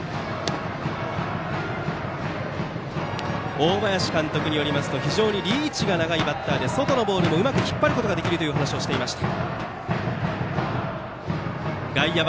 大林監督によりますと非常にリーチが長いバッターで外のボールもうまく引っ張ることができるという話をしていました。